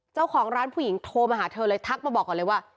เจ้าของร้านผู้หญิงโทรมาหาเธอเลยทักมาบอกก่อนเลยว่า